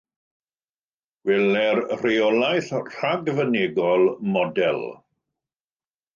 Gweler rheolaeth ragfynegol Model.